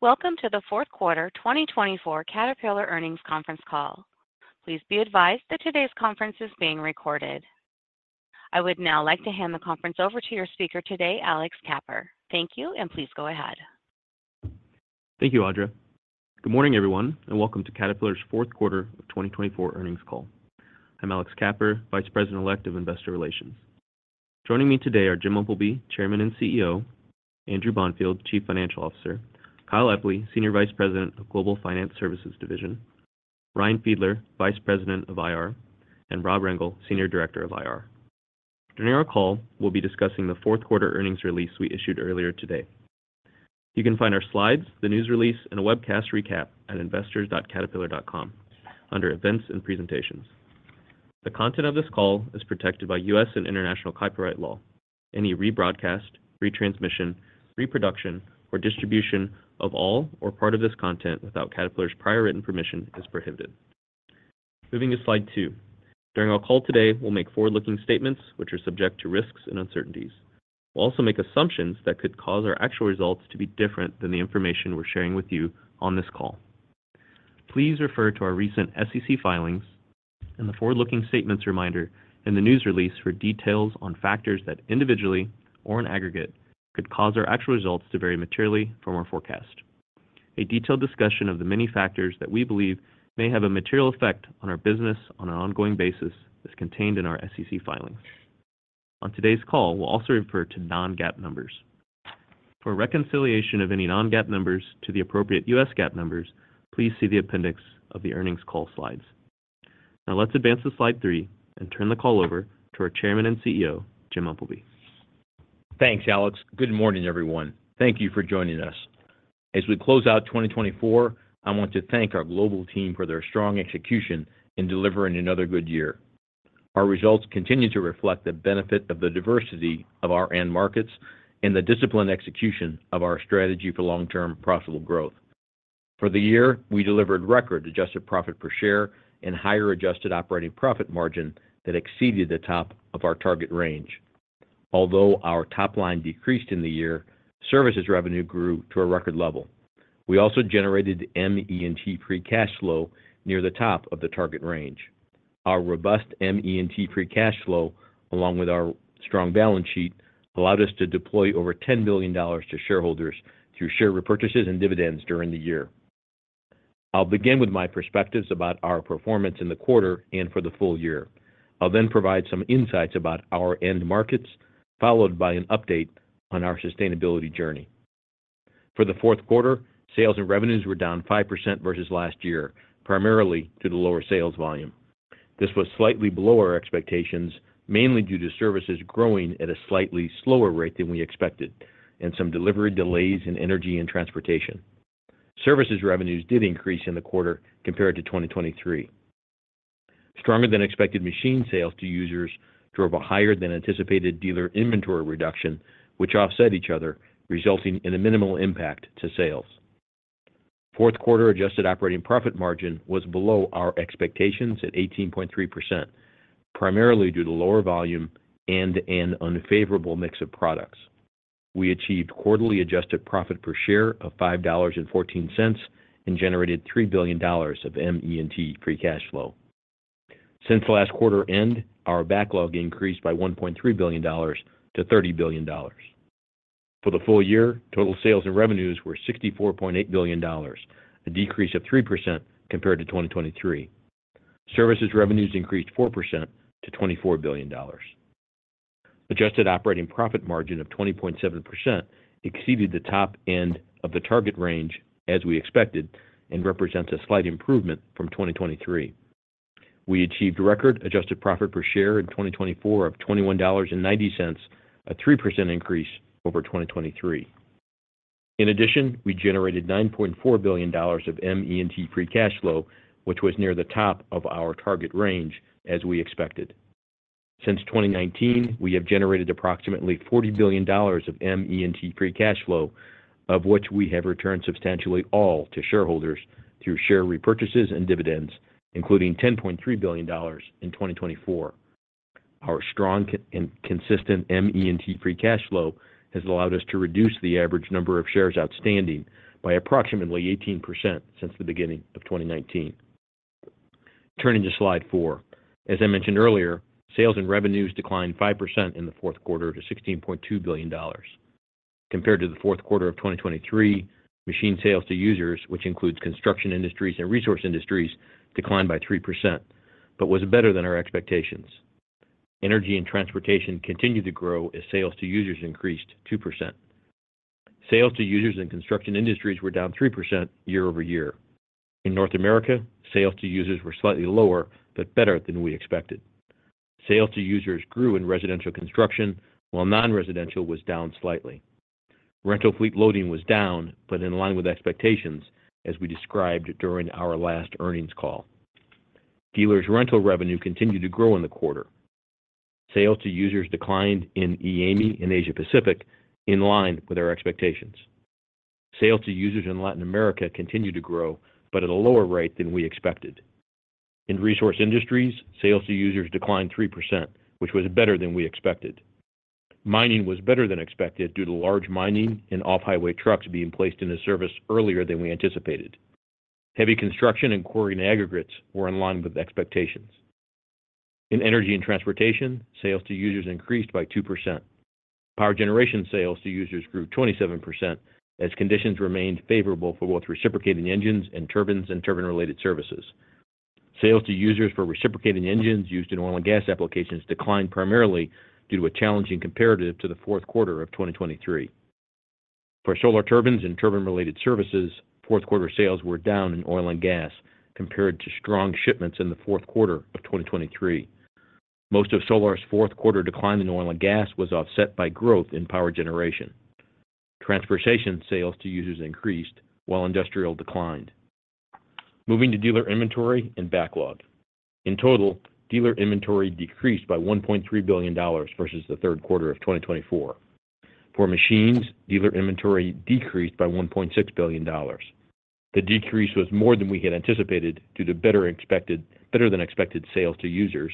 Welcome to the fourth quarter 2024 Caterpillar Earnings Conference call. Please be advised that today's conference is being recorded. I would now like to hand the conference over to your speaker today, Alex Kapper. Thank you, and please go ahead. Thank you, Audra. Good morning, everyone, and welcome to Caterpillar's fourth quarter 2024 earnings call. I'm Alex Kapper, Vice President-elect of Investor Relations. Joining me today are Jim Umpleby, Chairman and CEO, Andrew Bonfield, Chief Financial Officer, Kyle Epley, Senior Vice President of Global Finance Services Division, Ryan Fiedler, Vice President of IR, and Rob Rengel, Senior Director of IR. During our call, we'll be discussing the fourth quarter earnings release we issued earlier today. You can find our slides, the news release, and a webcast recap at investors.caterpillar.com under Events and Presentations. The content of this call is protected by U.S. and international copyright law. Any rebroadcast, retransmission, reproduction, or distribution of all or part of this content without Caterpillar's prior written permission is prohibited. Moving to slide two. During our call today, we'll make forward-looking statements which are subject to risks and uncertainties. We'll also make assumptions that could cause our actual results to be different than the information we're sharing with you on this call. Please refer to our recent SEC filings and the forward-looking statements reminder in the news release for details on factors that individually or in aggregate could cause our actual results to vary materially from our forecast. A detailed discussion of the many factors that we believe may have a material effect on our business on an ongoing basis is contained in our SEC filings. On today's call, we'll also refer to non-GAAP numbers. For reconciliation of any non-GAAP numbers to the appropriate U.S. GAAP numbers, please see the appendix of the earnings call slides. Now, let's advance to slide three and turn the call over to our Chairman and CEO, Jim Umpleby. Thanks, Alex. Good morning, everyone. Thank you for joining us. As we close out 2024, I want to thank our global team for their strong execution in delivering another good year. Our results continue to reflect the benefit of the diversity of our end markets and the disciplined execution of our strategy for long-term profitable growth. For the year, we delivered record adjusted profit per share and higher adjusted operating profit margin that exceeded the top of our target range. Although our top line decreased in the year, services revenue grew to a record level. We also generated ME&T free cash flow near the top of the target range. Our robust ME&T free cash flow, along with our strong balance sheet, allowed us to deploy over $10 billion to shareholders through share repurchases and dividends during the year. I'll begin with my perspectives about our performance in the quarter and for the full year. I'll then provide some insights about our end markets, followed by an update on our sustainability journey. For the fourth quarter, sales and revenues were down 5% versus last year, primarily due to the lower sales volume. This was slightly below our expectations, mainly due to services growing at a slightly slower rate than we expected and some delivery delays in Energy and Transportation. Services revenues did increase in the quarter compared to 2023. Stronger-than-expected machine sales to users drove a higher-than-anticipated dealer inventory reduction, which offset each other, resulting in a minimal impact to sales. Fourth quarter adjusted operating profit margin was below our expectations at 18.3%, primarily due to lower volume and an unfavorable mix of products. We achieved quarterly adjusted profit per share of $5.14 and generated $3 billion of ME&T free cash flow. Since last quarter end, our backlog increased by $1.3 billion to $30 billion. For the full year, total sales and revenues were $64.8 billion, a decrease of 3% compared to 2023. Services revenues increased 4% to $24 billion. Adjusted operating profit margin of 20.7% exceeded the top end of the target range, as we expected, and represents a slight improvement from 2023. We achieved record adjusted profit per share in 2024 of $21.90, a 3% increase over 2023. In addition, we generated $9.4 billion of ME&T free cash flow, which was near the top of our target range, as we expected. Since 2019, we have generated approximately $40 billion of ME&T free cash flow, of which we have returned substantially all to shareholders through share repurchases and dividends, including $10.3 billion in 2024. Our strong and consistent ME&T free cash flow has allowed us to reduce the average number of shares outstanding by approximately 18% since the beginning of 2019. Turning to slide four, as I mentioned earlier, sales and revenues declined 5% in the fourth quarter to $16.2 billion. Compared to the fourth quarter of 2023, machine sales to users, which includes Construction Industries and Resource Industries, declined by 3%, but was better than our expectations. Energy and Transportation continued to grow as sales to users increased 2%. Sales to users and Construction Industries were down 3% year-over-year. In North America, sales to users were slightly lower but better than we expected. Sales to users grew in residential construction, while non-residential was down slightly. Rental fleet loading was down but in line with expectations, as we described during our last earnings call. Dealers' rental revenue continued to grow in the quarter. Sales to users declined in EAME and Asia Pacific, in line with our expectations. Sales to users in Latin America continued to grow but at a lower rate than we expected. In Resource Industries, sales to users declined 3%, which was better than we expected. Mining was better than expected due to large mining and off-highway trucks being placed into service earlier than we anticipated. Heavy construction and quarrying aggregates were in line with expectations. In Energy and Transportation, sales to users increased by 2%. Power generation sales to users grew 27% as conditions remained favorable for both reciprocating engines and turbines and turbine-related services. Sales to users for reciprocating engines used in oil and gas applications declined primarily due to a challenging comparative to the fourth quarter of 2023. For Solar Turbines and turbine-related services, fourth quarter sales were down in oil and gas compared to strong shipments in the fourth quarter of 2023. Most of Solar Turbines' fourth quarter decline in oil and gas was offset by growth in power generation. Transportation sales to users increased, while industrial declined. Moving to dealer inventory and backlog. In total, dealer inventory decreased by $1.3 billion versus the third quarter of 2024. For machines, dealer inventory decreased by $1.6 billion. The decrease was more than we had anticipated due to better than expected sales to users,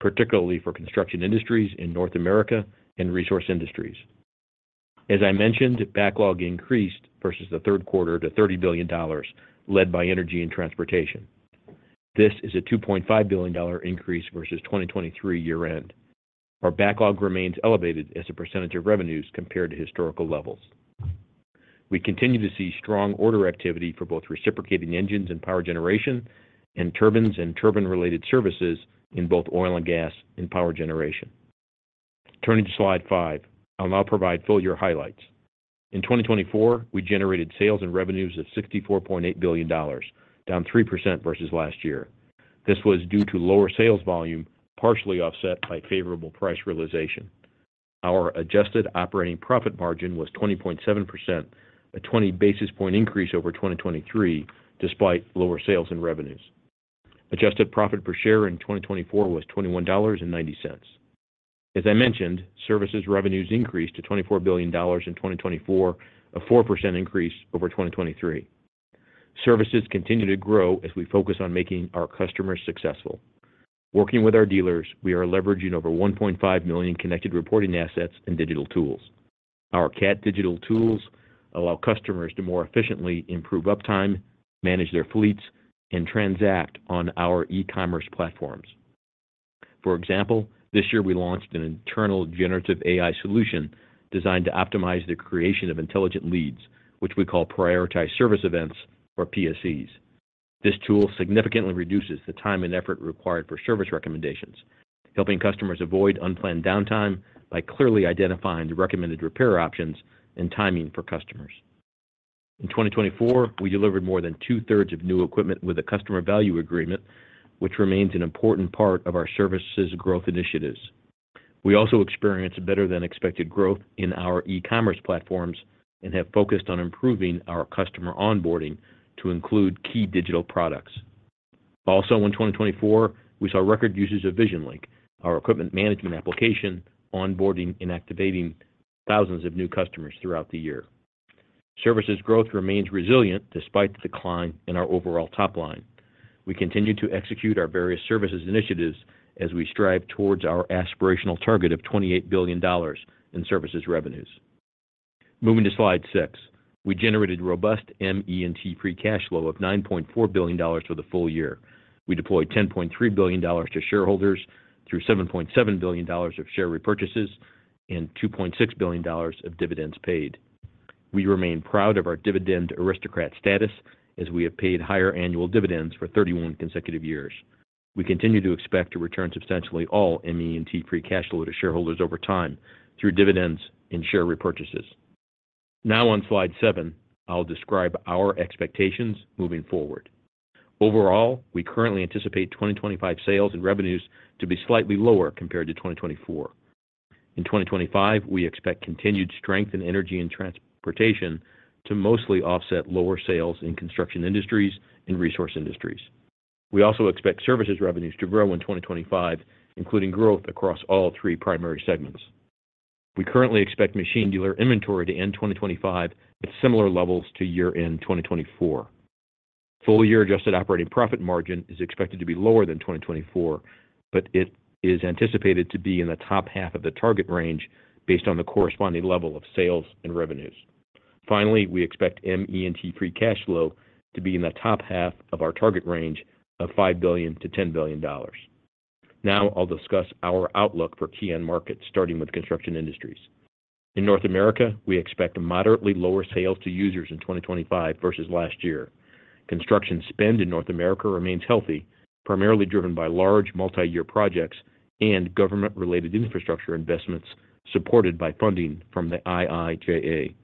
particularly for Construction Industries in North America and Resource Industries. As I mentioned, backlog increased versus the third quarter to $30 billion, led by Energy and Transportation. This is a $2.5 billion increase versus 2023 year-end. Our backlog remains elevated as a percentage of revenues compared to historical levels. We continue to see strong order activity for both reciprocating engines and power generation and turbines and turbine-related services in both oil and gas and power generation. Turning to slide five, I'll now provide full year highlights. In 2024, we generated sales and revenues of $64.8 billion, down 3% versus last year. This was due to lower sales volume, partially offset by favorable price realization. Our adjusted operating profit margin was 20.7%, a 20 basis points increase over 2023, despite lower sales and revenues. Adjusted profit per share in 2024 was $21.90. As I mentioned, services revenues increased to $24 billion in 2024, a 4% increase over 2023. Services continue to grow as we focus on making our customers successful. Working with our dealers, we are leveraging over 1.5 million connected reporting assets and digital tools. Our Cat Digital tools allow customers to more efficiently improve uptime, manage their fleets, and transact on our e-commerce platforms. For example, this year we launched an internal generative AI solution designed to optimize the creation of intelligent leads, which we call Prioritized Service Events or PSEs. This tool significantly reduces the time and effort required for service recommendations, helping customers avoid unplanned downtime by clearly identifying the recommended repair options and timing for customers. In 2024, we delivered more than two-thirds of new equipment with a Customer Value Agreement, which remains an important part of our services growth initiatives. We also experienced better than expected growth in our e-commerce platforms and have focused on improving our customer onboarding to include key digital products. Also, in 2024, we saw record uses of VisionLink, our equipment management application, onboarding and activating thousands of new customers throughout the year. Services growth remains resilient despite the decline in our overall top line. We continue to execute our various services initiatives as we strive towards our aspirational target of $28 billion in services revenues. Moving to slide six, we generated robust ME&T Free Cash Flow of $9.4 billion for the full year. We deployed $10.3 billion to shareholders through $7.7 billion of share repurchases and $2.6 billion of dividends paid. We remain proud of our dividend aristocrat status as we have paid higher annual dividends for 31 consecutive years. We continue to expect to return substantially all ME&T Free Cash Flow to shareholders over time through dividends and share repurchases. Now, on slide seven, I'll describe our expectations moving forward. Overall, we currently anticipate 2025 sales and revenues to be slightly lower compared to 2024. In 2025, we expect continued strength in Energy and Transportation to mostly offset lower sales in Construction Industries and Resource Industries. We also expect services revenues to grow in 2025, including growth across all three primary segments. We currently expect machine dealer inventory to end 2025 at similar levels to year-end 2024. Full year adjusted operating profit margin is expected to be lower than 2024, but it is anticipated to be in the top half of the target range based on the corresponding level of sales and revenues. Finally, we expect ME&T Free Cash Flow to be in the top half of our target range of $5 billion-$10 billion. Now, I'll discuss our outlook for key end markets, starting with Construction Industries. In North America, we expect moderately lower sales to users in 2025 versus last year. Construction spend in North America remains healthy, primarily driven by large multi-year projects and government-related infrastructure investments supported by funding from the IIJA.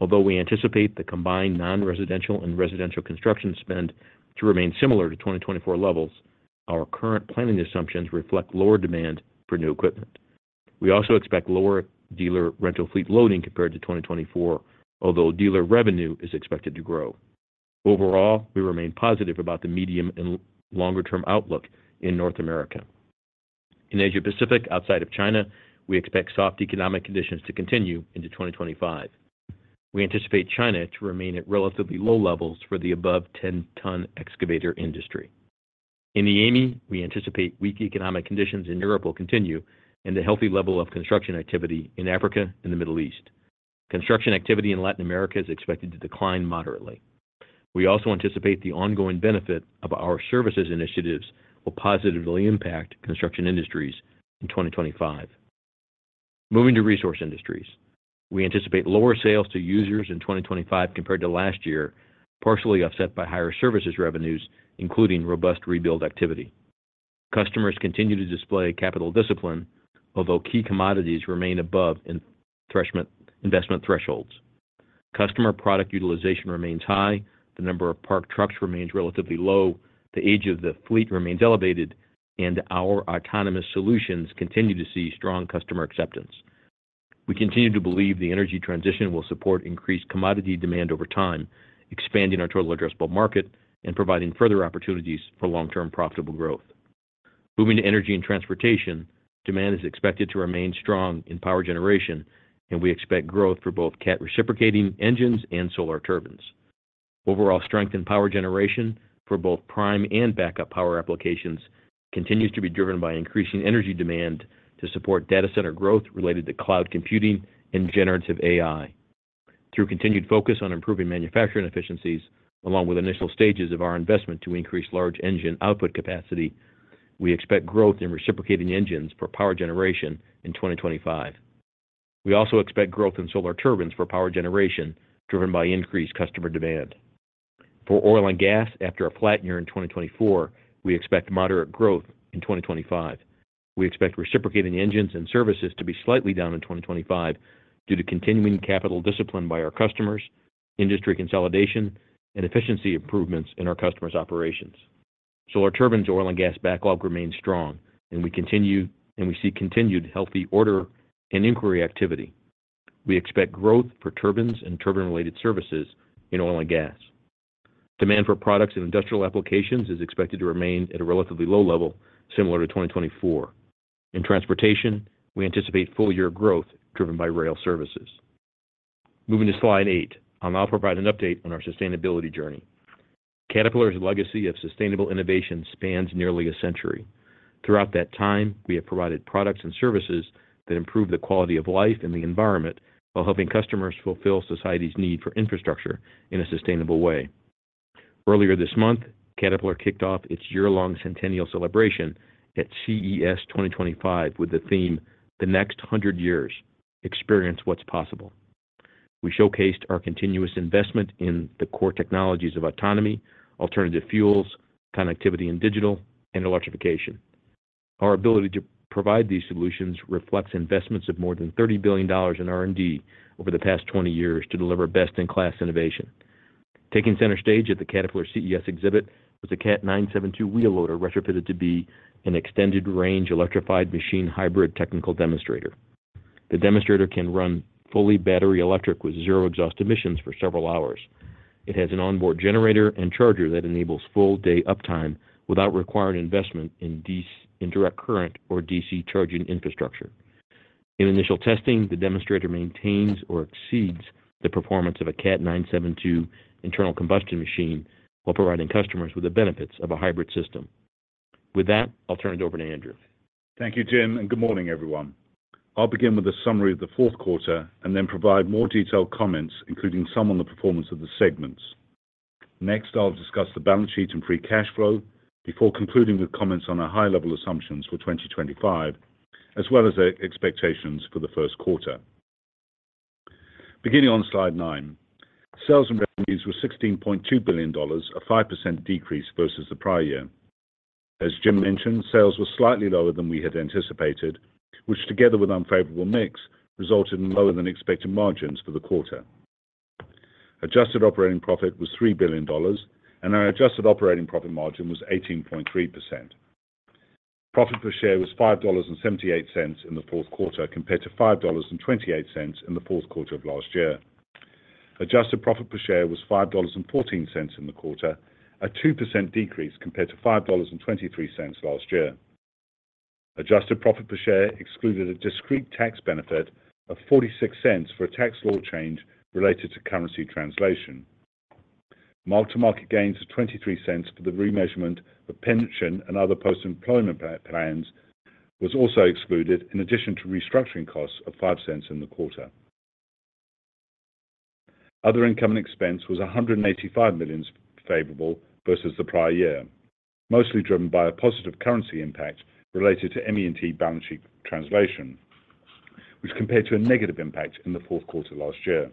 Although we anticipate the combined non-residential and residential construction spend to remain similar to 2024 levels, our current planning assumptions reflect lower demand for new equipment. We also expect lower dealer rental fleet loading compared to 2024, although dealer revenue is expected to grow. Overall, we remain positive about the medium and longer-term outlook in North America. In Asia Pacific, outside of China, we expect soft economic conditions to continue into 2025. We anticipate China to remain at relatively low levels for the above 10-ton excavator industry. In the EAME, we anticipate weak economic conditions in Europe will continue and the healthy level of construction activity in Africa and the Middle East. Construction activity in Latin America is expected to decline moderately. We also anticipate the ongoing benefit of our services initiatives will positively impact Construction Industries in 2025. Moving to Resource Industries, we anticipate lower sales to users in 2025 compared to last year, partially offset by higher services revenues, including robust rebuild activity. Customers continue to display capital discipline, although key commodities remain above investment thresholds. Customer product utilization remains high. The number of parked trucks remains relatively low. The age of the fleet remains elevated, and our autonomous solutions continue to see strong customer acceptance. We continue to believe the energy transition will support increased commodity demand over time, expanding our total addressable market and providing further opportunities for long-term profitable growth. Moving to Energy and Transportation, demand is expected to remain strong in power generation, and we expect growth for both CAT reciprocating engines and Solar Turbines. Overall strength in power generation for both prime and backup power applications continues to be driven by increasing energy demand to support data center growth related to cloud computing and generative AI. Through continued focus on improving manufacturing efficiencies, along with initial stages of our investment to increase large engine output capacity, we expect growth in reciprocating engines for power generation in 2025. We also expect growth in Solar Turbines for power generation driven by increased customer demand. For oil and gas, after a flat year in 2024, we expect moderate growth in 2025. We expect reciprocating engines and services to be slightly down in 2025 due to continuing capital discipline by our customers, industry consolidation, and efficiency improvements in our customers' operations. Solar Turbines' oil and gas backlog remains strong, and we see continued healthy order and inquiry activity. We expect growth for turbines and turbine-related services in oil and gas. Demand for products and industrial applications is expected to remain at a relatively low level, similar to 2024. In transportation, we anticipate full year growth driven by rail services. Moving to slide eight, I'll now provide an update on our sustainability journey. Caterpillar's legacy of sustainable innovation spans nearly a century. Throughout that time, we have provided products and services that improve the quality of life and the environment while helping customers fulfill society's need for infrastructure in a sustainable way. Earlier this month, Caterpillar kicked off its year-long centennial celebration at CES 2025 with the theme, "The Next 100 Years: Experience What's Possible." We showcased our continuous investment in the core technologies of autonomy, alternative fuels, connectivity and digital, and electrification. Our ability to provide these solutions reflects investments of more than $30 billion in R&D over the past 20 years to deliver best-in-class innovation. Taking center stage at the Caterpillar CES exhibit was the Cat 972 wheel loader retrofitted to be an extended-range electrified machine hybrid technical demonstrator. The demonstrator can run fully battery electric with zero exhaust emissions for several hours. It has an onboard generator and charger that enables full-day uptime without requiring investment in direct current or DC charging infrastructure. In initial testing, the demonstrator maintains or exceeds the performance of a Cat 972 internal combustion machine while providing customers with the benefits of a hybrid system. With that, I'll turn it over to Andrew. Thank you, Jim, and good morning, everyone. I'll begin with a summary of the fourth quarter and then provide more detailed comments, including some on the performance of the segments. Next, I'll discuss the balance sheet and free cash flow before concluding with comments on our high-level assumptions for 2025, as well as expectations for the first quarter. Beginning on slide nine, sales and revenues were $16.2 billion, a 5% decrease versus the prior year. As Jim mentioned, sales were slightly lower than we had anticipated, which, together with unfavorable mix, resulted in lower-than-expected margins for the quarter. Adjusted operating profit was $3 billion, and our adjusted operating profit margin was 18.3%. Profit per share was $5.78 in the fourth quarter compared to $5.28 in the fourth quarter of last year. Adjusted profit per share was $5.14 in the quarter, a 2% decrease compared to $5.23 last year. Adjusted profit per share excluded a discrete tax benefit of $0.46 for a tax law change related to currency translation. Mark-to-market gains of $0.23 for the remeasurement of pension and other post-employment plans were also excluded, in addition to restructuring costs of $0.05 in the quarter. Other income expense was $185 million favorable versus the prior year, mostly driven by a positive currency impact related to ME&T balance sheet translation, which compared to a negative impact in the fourth quarter last year.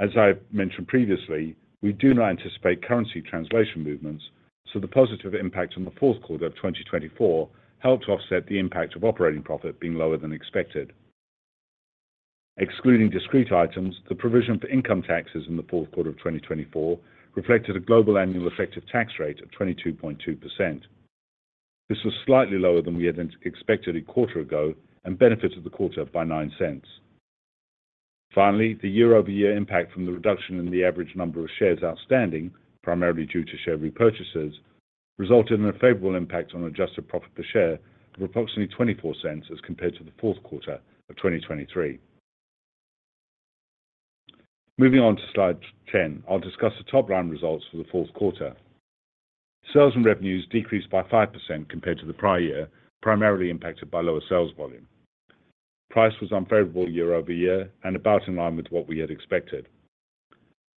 As I mentioned previously, we do not anticipate currency translation movements, so the positive impact on the fourth quarter of 2024 helped offset the impact of operating profit being lower than expected. Excluding discrete items, the provision for income taxes in the fourth quarter of 2024 reflected a global annual effective tax rate of 22.2%. This was slightly lower than we had expected a quarter ago and benefited the quarter by $0.09. Finally, the year-over-year impact from the reduction in the average number of shares outstanding, primarily due to share repurchases, resulted in a favorable impact on adjusted profit per share of approximately $0.24 as compared to the fourth quarter of 2023. Moving on to slide 10, I'll discuss the top line results for the fourth quarter. Sales and revenues decreased by 5% compared to the prior year, primarily impacted by lower sales volume. Price was unfavorable year-over-year and about in line with what we had expected.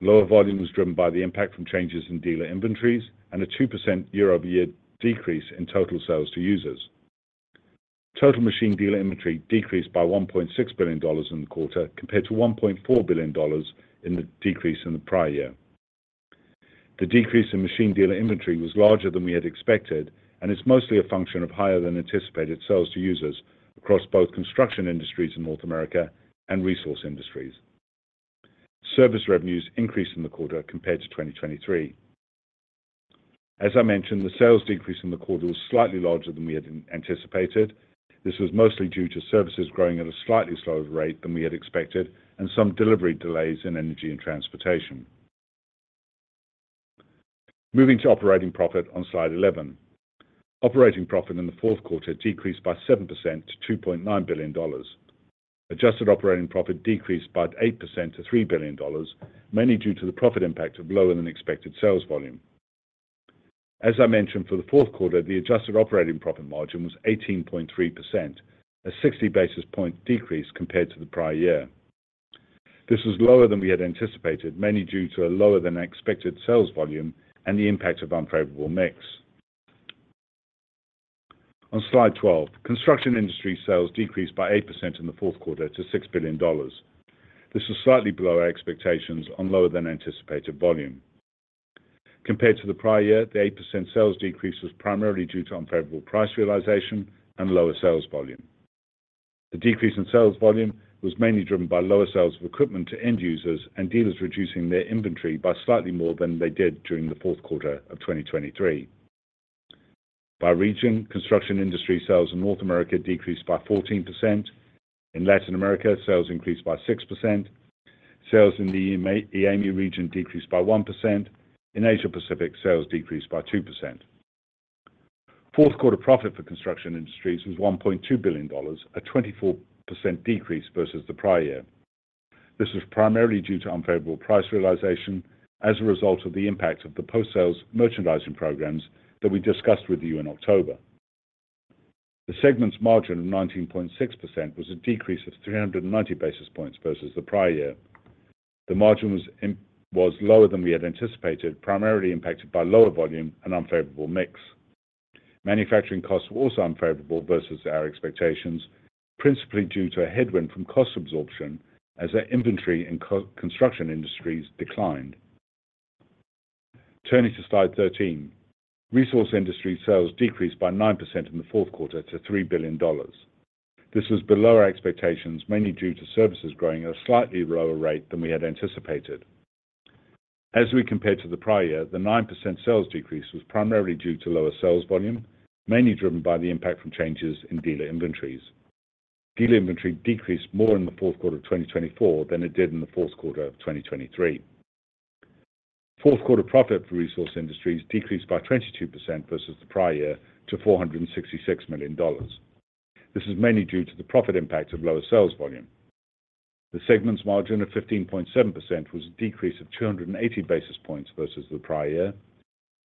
Lower volume was driven by the impact from changes in dealer inventories and a 2% year-over-year decrease in total sales to users. Total machine dealer inventory decreased by $1.6 billion in the quarter compared to $1.4 billion in the decrease in the prior year. The decrease in machine dealer inventory was larger than we had expected and is mostly a function of higher-than-anticipated sales to users across both Construction Industries in North America and Resource Industries. Service revenues increased in the quarter compared to 2023. As I mentioned, the sales decrease in the quarter was slightly larger than we had anticipated. This was mostly due to services growing at a slightly slower rate than we had expected and some delivery delays in Energy and Transportation. Moving to operating profit on slide 11, operating profit in the fourth quarter decreased by 7% to $2.9 billion. Adjusted operating profit decreased by 8% to $3 billion, mainly due to the profit impact of lower-than-expected sales volume. As I mentioned, for the fourth quarter, the adjusted operating profit margin was 18.3%, a 60 basis point decrease compared to the prior year. This was lower than we had anticipated, mainly due to a lower-than-expected sales volume and the impact of unfavorable mix. On slide 12, Construction Industries sales decreased by 8% in the fourth quarter to $6 billion. This was slightly below expectations on lower-than-anticipated volume. Compared to the prior year, the 8% sales decrease was primarily due to unfavorable price realization and lower sales volume. The decrease in sales volume was mainly driven by lower sales of equipment to end users and dealers reducing their inventory by slightly more than they did during the fourth quarter of 2023. By region, Construction Industries sales in North America decreased by 14%. In Latin America, sales increased by 6%. Sales in the EAME region decreased by 1%. In Asia Pacific, sales decreased by 2%. Fourth quarter profit for Construction Industries was $1.2 billion, a 24% decrease versus the prior year. This was primarily due to unfavorable price realization as a result of the impact of the post-sales merchandising programs that we discussed with you in October. The segment's margin of 19.6% was a decrease of 390 basis points versus the prior year. The margin was lower than we had anticipated, primarily impacted by lower volume and unfavorable mix. Manufacturing costs were also unfavorable versus our expectations, principally due to a headwind from cost absorption as our inventory in Construction Industries declined. Turning to slide 13, resource industry sales decreased by 9% in the fourth quarter to $3 billion. This was below our expectations, mainly due to services growing at a slightly lower rate than we had anticipated. As we compared to the prior year, the 9% sales decrease was primarily due to lower sales volume, mainly driven by the impact from changes in dealer inventories. Dealer inventory decreased more in the fourth quarter of 2024 than it did in the fourth quarter of 2023. Fourth quarter profit for Resource Industries decreased by 22% versus the prior year to $466 million. This is mainly due to the profit impact of lower sales volume. The segment's margin of 15.7% was a decrease of 280 basis points versus the prior year.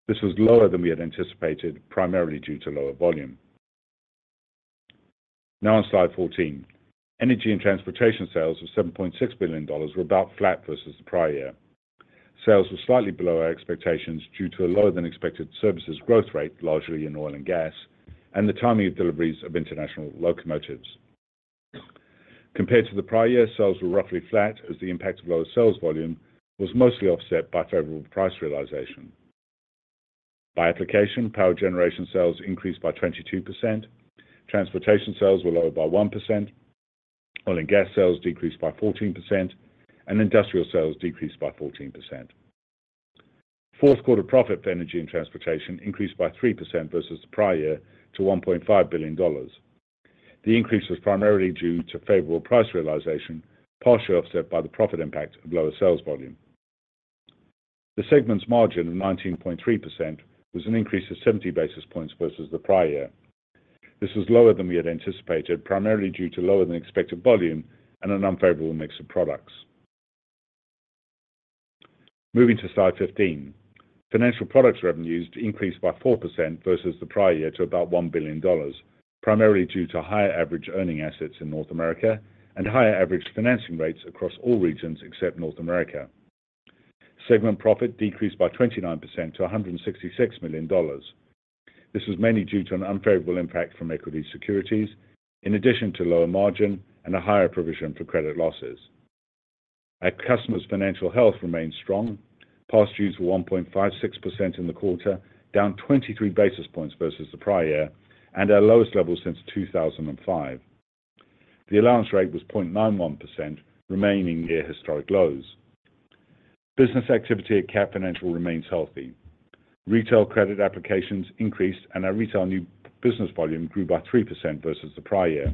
This was lower than we had anticipated, primarily due to lower volume. Now on slide 14, Energy and Transportation sales of $7.6 billion were about flat versus the prior year. Sales were slightly below our expectations due to a lower-than-expected services growth rate, largely in oil and gas, and the timing of deliveries of international locomotives. Compared to the prior year, sales were roughly flat as the impact of lower sales volume was mostly offset by favorable price realization. By application, power generation sales increased by 22%. Transportation sales were lower by 1%. Oil and gas sales decreased by 14%, and industrial sales decreased by 14%. Fourth quarter profit for Energy and Transportation increased by 3% versus the prior year to $1.5 billion. The increase was primarily due to favorable price realization, partially offset by the profit impact of lower sales volume. The segment's margin of 19.3% was an increase of 70 basis points versus the prior year. This was lower than we had anticipated, primarily due to lower-than-expected volume and an unfavorable mix of products. Moving to slide 15, Financial Products revenues increased by 4% versus the prior year to about $1 billion, primarily due to higher average earning assets in North America and higher average financing rates across all regions except North America. Segment profit decreased by 29% to $166 million. This was mainly due to an unfavorable impact from equity securities, in addition to lower margin and a higher provision for credit losses. Our customers' financial health remained strong. Past dues were 1.56% in the quarter, down 23 basis points versus the prior year, and our lowest level since 2005. The allowance rate was 0.91%, remaining near historic lows. Business activity at Cat Financial remains healthy. Retail credit applications increased, and our retail new business volume grew by 3% versus the prior year.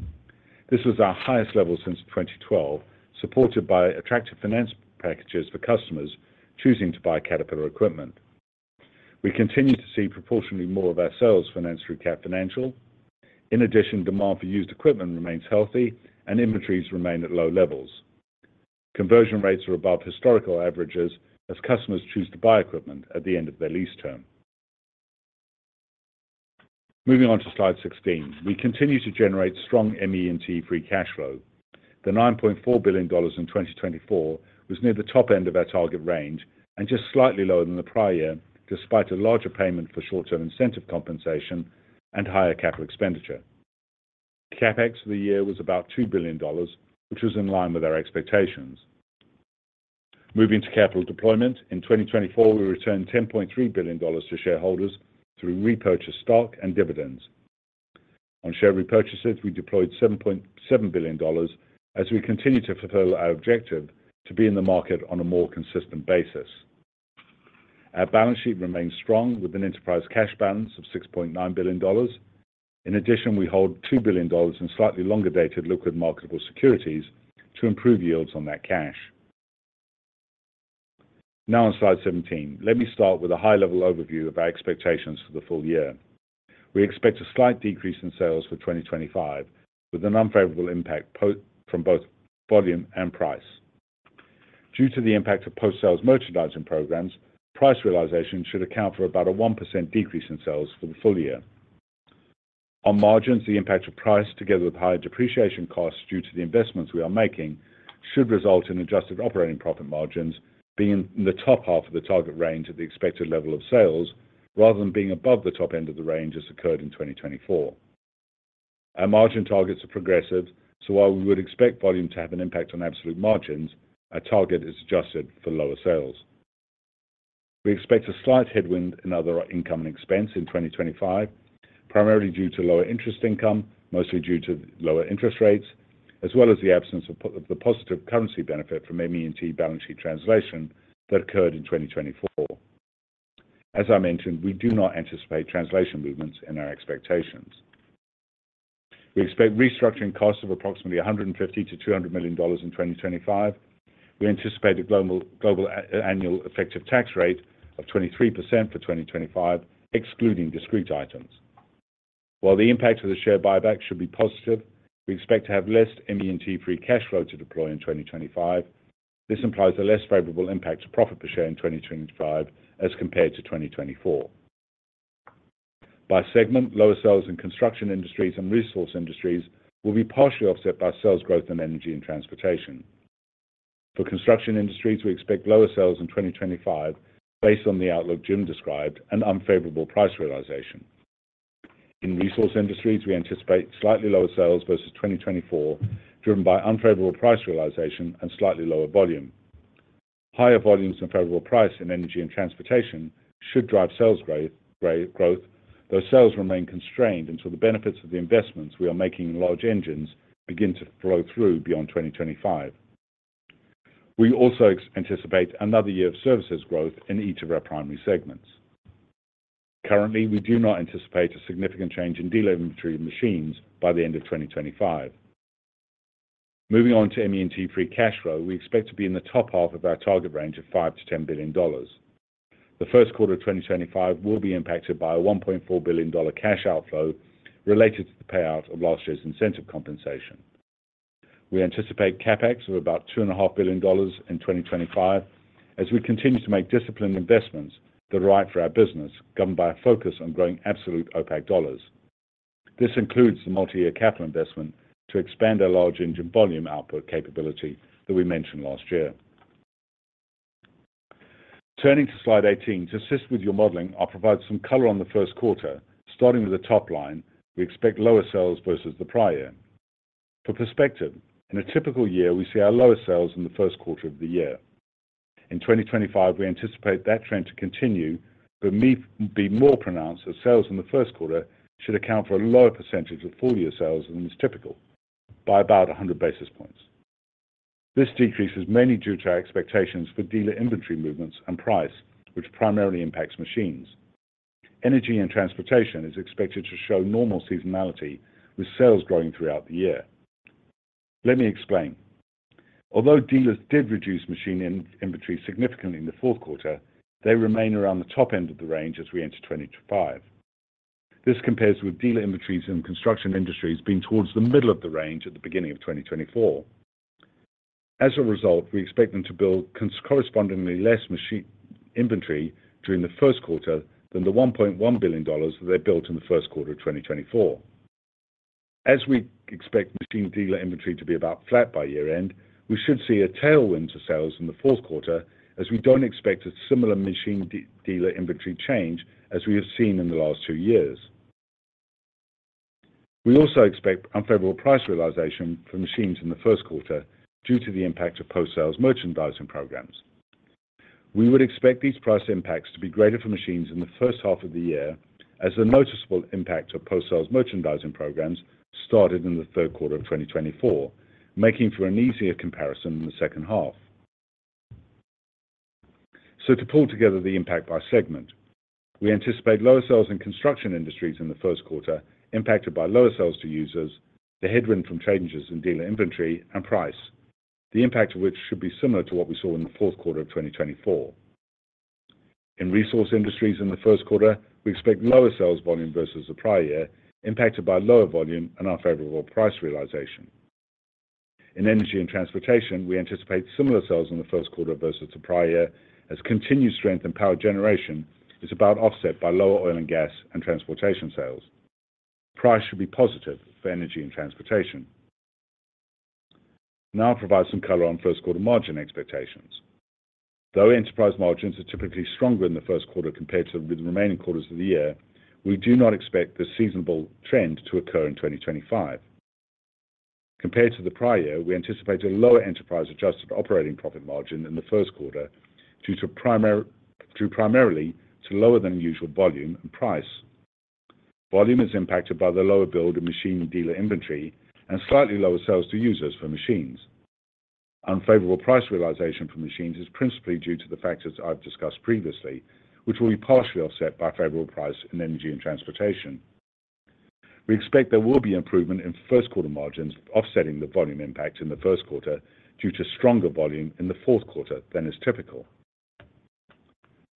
This was our highest level since 2012, supported by attractive finance packages for customers choosing to buy Caterpillar equipment. We continue to see proportionally more of our sales financed through Cat Financial. In addition, demand for used equipment remains healthy, and inventories remain at low levels. Conversion rates are above historical averages as customers choose to buy equipment at the end of their lease term. Moving on to slide 16, we continue to generate strong ME&T free cash flow. The $9.4 billion in 2024 was near the top end of our target range and just slightly lower than the prior year, despite a larger payment for short-term incentive compensation and higher capital expenditure. CapEx for the year was about $2 billion, which was in line with our expectations. Moving to capital deployment, in 2024, we returned $10.3 billion to shareholders through repurchased stock and dividends. On share repurchases, we deployed $7.7 billion as we continue to fulfill our objective to be in the market on a more consistent basis. Our balance sheet remains strong with an enterprise cash balance of $6.9 billion. In addition, we hold $2 billion in slightly longer-dated liquid marketable securities to improve yields on that cash. Now on slide 17, let me start with a high-level overview of our expectations for the full year. We expect a slight decrease in sales for 2025, with an unfavorable impact from both volume and price. Due to the impact of post-sales merchandising programs, price realization should account for about a 1% decrease in sales for the full year. On margins, the impact of price, together with higher depreciation costs due to the investments we are making, should result in adjusted operating profit margins being in the top half of the target range of the expected level of sales, rather than being above the top end of the range as occurred in 2024. Our margin targets are progressive, so while we would expect volume to have an impact on absolute margins, our target is adjusted for lower sales. We expect a slight headwind in other income and expense in 2025, primarily due to lower interest income, mostly due to lower interest rates, as well as the absence of the positive currency benefit from ME&T balance sheet translation that occurred in 2024. As I mentioned, we do not anticipate translation movements in our expectations. We expect restructuring costs of approximately $150 million to $200 million in 2025. We anticipate a global annual effective tax rate of 23% for 2025, excluding discrete items. While the impact of the share buyback should be positive, we expect to have less ME&T free cash flow to deploy in 2025. This implies a less favorable impact to profit per share in 2025 as compared to 2024. By segment, lower sales in Construction Industries and Resource Industries will be partially offset by sales growth in Energy and Transportation. For Construction Industries, we expect lower sales in 2025 based on the outlook Jim described and unfavorable price realization. In Resource Industries, we anticipate slightly lower sales versus 2024, driven by unfavorable price realization and slightly lower volume. Higher volumes and favorable price in Energy and Transportation should drive sales growth, though sales remain constrained until the benefits of the investments we are making in large engines begin to flow through beyond 2025. We also anticipate another year of services growth in each of our primary segments. Currently, we do not anticipate a significant change in dealer inventory of machines by the end of 2025. Moving on to ME&T free cash flow, we expect to be in the top half of our target range of $5-$10 billion. The first quarter of 2025 will be impacted by a $1.4 billion cash outflow related to the payout of last year's incentive compensation. We anticipate CapEx of about $2.5 billion in 2025 as we continue to make disciplined investments that are right for our business, governed by a focus on growing absolute OPACCCC dollars. This includes the multi-year capital investment to expand our large engine volume output capability that we mentioned last year. Turning to slide 18, to assist with your modeling, I'll provide some color on the first quarter. Starting with the top line, we expect lower sales versus the prior year. For perspective, in a typical year, we see our lower sales in the first quarter of the year. In 2025, we anticipate that trend to continue, but be more pronounced as sales in the first quarter should account for a lower percentage of full-year sales than is typical, by about 100 basis points. This decrease is mainly due to our expectations for dealer inventory movements and price, which primarily impacts machines. Energy and Transportation is expected to show normal seasonality, with sales growing throughout the year. Let me explain. Although dealers did reduce machine inventory significantly in the fourth quarter, they remain around the top end of the range as we enter 2025. This compares with dealer inventories in Construction Industries being towards the middle of the range at the beginning of 2024. As a result, we expect them to build correspondingly less machine inventory during the first quarter than the $1.1 billion that they built in the first quarter of 2024. As we expect machine dealer inventory to be about flat by year-end, we should see a tailwind to sales in the fourth quarter as we don't expect a similar machine dealer inventory change as we have seen in the last two years. We also expect unfavorable price realization for machines in the first quarter due to the impact of post-sales merchandising programs. We would expect these price impacts to be greater for machines in the first half of the year as the noticeable impact of post-sales merchandising programs started in the third quarter of 2024, making for an easier comparison in the second half. To pull together the impact by segment, we anticipate lower sales in Construction Industries in the first quarter impacted by lower sales to users, the headwind from changes in dealer inventory, and price, the impact of which should be similar to what we saw in the fourth quarter of 2024. In Resource Industries in the first quarter, we expect lower sales volume versus the prior year, impacted by lower volume and unfavorable price realization. In Energy and Transportation, we anticipate similar sales in the first quarter versus the prior year as continued strength in power generation is about offset by lower oil and gas and transportation sales. Price should be positive for Energy and Transportation. Now I'll provide some color on first quarter margin expectations. Though enterprise margins are typically stronger in the first quarter compared to the remaining quarters of the year, we do not expect the seasonable trend to occur in 2025. Compared to the prior year, we anticipate a lower enterprise adjusted operating profit margin in the first quarter due primarily to lower than usual volume and price. Volume is impacted by the lower build of machine dealer inventory and slightly lower sales to users for machines. Unfavorable price realization for machines is principally due to the factors I've discussed previously, which will be partially offset by favorable price in Energy and Transportation. We expect there will be improvement in first quarter margins, offsetting the volume impact in the first quarter due to stronger volume in the fourth quarter than is typical.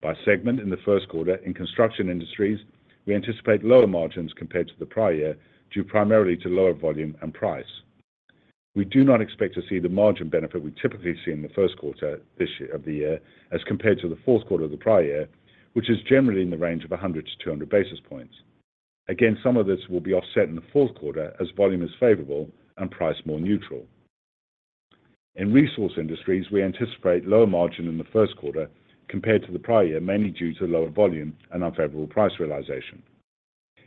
By segment in the first quarter in Construction Industries, we anticipate lower margins compared to the prior year due primarily to lower volume and price. We do not expect to see the margin benefit we typically see in the first quarter of the year as compared to the fourth quarter of the prior year, which is generally in the range of 100-200 basis points. Again, some of this will be offset in the fourth quarter as volume is favorable and price more neutral. In Resource Industries, we anticipate lower margin in the first quarter compared to the prior year, mainly due to lower volume and unfavorable price realization.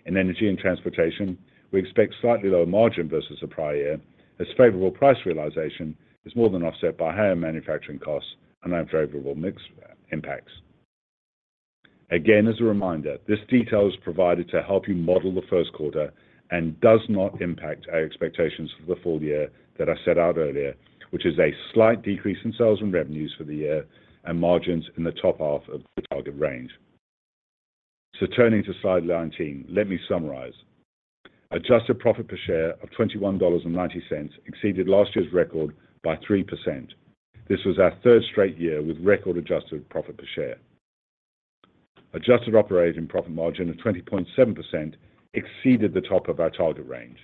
In Energy and Transportation, we expect slightly lower margin versus the prior year as favorable price realization is more than offset by higher manufacturing costs and unfavorable mix impacts. Again, as a reminder, this detail is provided to help you model the first quarter and does not impact our expectations for the full year that I set out earlier, which is a slight decrease in sales and revenues for the year and margins in the top half of the target range. So, turning to slide 19, let me summarize. Adjusted profit per share of $21.90 exceeded last year's record by 3%. This was our third straight year with record adjusted profit per share. Adjusted operating profit margin of 20.7% exceeded the top of our target range.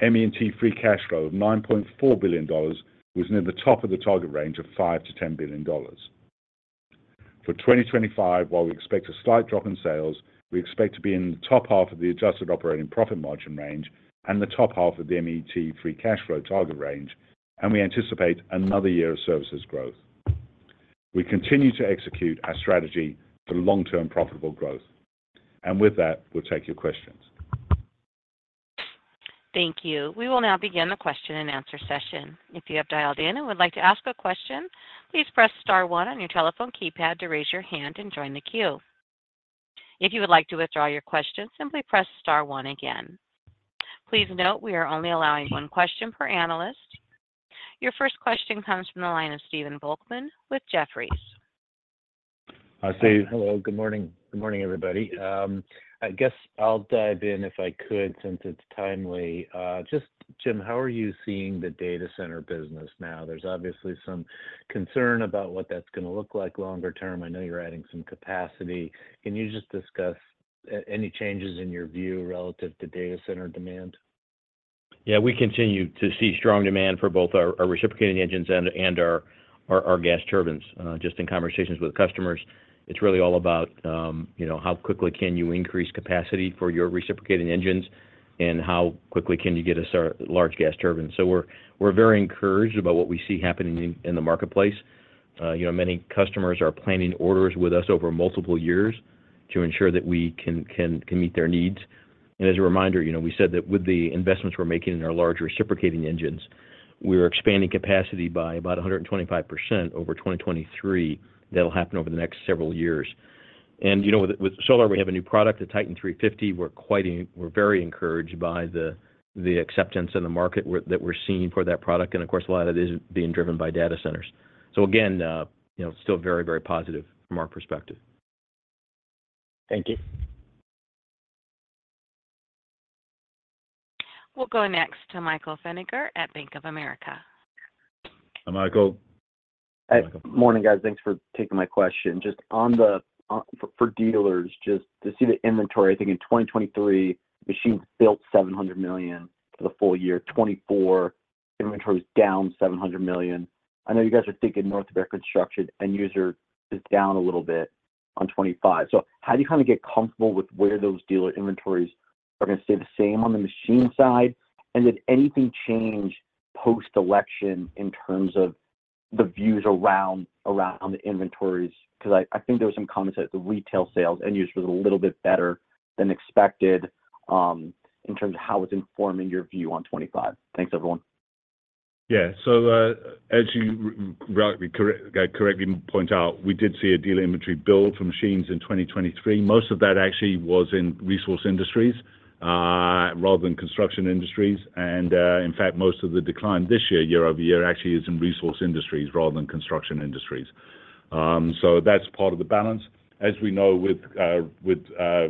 ME&T free cash flow of $9.4 billion was near the top of the target range of $5-$10 billion. For 2025, while we expect a slight drop in sales, we expect to be in the top half of the adjusted operating profit margin range and the top half of the ME&T free cash flow target range, and we anticipate another year of services growth. We continue to execute our strategy for long-term profitable growth. And with that, we'll take your questions. Thank you. We will now begin the question and answer session. If you have dialed in and would like to ask a question, please press star one on your telephone keypad to raise your hand and join the queue. If you would like to withdraw your question, simply press star one again. Please note we are only allowing one question per analyst. Your first question comes from the line of Stephen Volkmann with Jefferies. Hi, Steve. Hello. Good morning. Good morning, everybody. I guess I'll dive in if I could since it's timely. Just, Jim, how are you seeing the data center business now? There's obviously some concern about what that's going to look like longer term. I know you're adding some capacity. Can you just discuss any changes in your view relative to data center demand? Yeah, we continue to see strong demand for both our reciprocating engines and our gas turbines. Just in conversations with customers, it's really all about how quickly can you increase capacity for your reciprocating engines and how quickly can you get us large gas turbines. So we're very encouraged about what we see happening in the marketplace. Many customers are planning orders with us over multiple years to ensure that we can meet their needs. As a reminder, we said that with the investments we're making in our large reciprocating engines, we're expanding capacity by about 125% over 2023. That'll happen over the next several years. With Solar, we have a new product, the Titan 350. We're very encouraged by the acceptance in the market that we're seeing for that product. Of course, a lot of it is being driven by data centers. So again, still very, very positive from our perspective. Thank you. We'll go next to Michael Feniger at Bank of America. Hi, Michael. Hi. Good morning, guys. Thanks for taking my question. Just for dealers, just to see the inventory, I think in 2023, machines built $700 million for the full year. 2024 inventory was down $700 million. I know you guys are thinking North America construction and users is down a little bit on 2025. So how do you kind of get comfortable with where those dealer inventories are going to stay the same on the machine side? And did anything change post-election in terms of the views around the inventories? Because I think there were some comments that the sales to users was a little bit better than expected in terms of how it's informing your view on 2025. Thanks, everyone. Yeah. So as you correctly point out, we did see a dealer inventory build for machines in 2023. Most of that actually was in Resource Industries rather than Construction Industries. And in fact, most of the decline this year, year-over-year, actually is in Resource Industries rather than Construction Industries. So that's part of the balance. As we know, with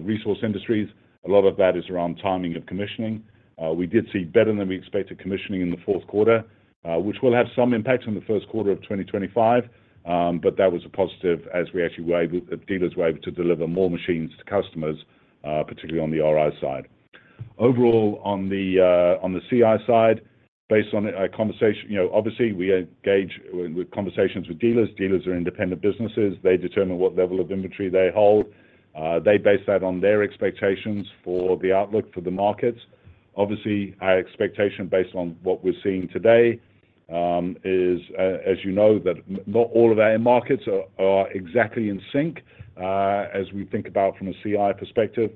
Resource Industries, a lot of that is around timing of commissioning. We did see better than we expected commissioning in the fourth quarter, which will have some impact on the first quarter of 2025, but that was a positive as we actually, dealers were able to deliver more machines to customers, particularly on the RI side. Overall, on the CI side, based on our conversation, obviously, we engage with conversations with dealers. Dealers are independent businesses. They determine what level of inventory they hold. They base that on their expectations for the outlook for the markets. Obviously, our expectation based on what we're seeing today is, as you know, that not all of our markets are exactly in sync as we think about from a CI perspective.